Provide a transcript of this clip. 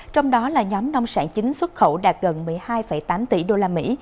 trong đó là nhóm nông sản chính xuất khẩu đạt gần một mươi hai tám tỷ đô la mỹ